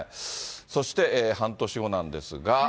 そして半年後なんですが。